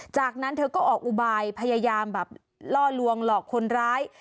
จากนั้นเธอก็ออกอุบายพยายามแบบล่อลวงหลอกคนร้าย